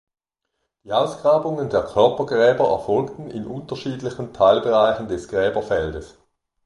Die Ausgrabungen der Körpergräber erfolgten in unterschiedlichen Teilbereichen des Gräberfeldes.